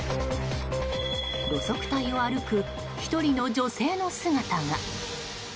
路側帯を歩く１人の女性の姿が。